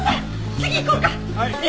次行こうか。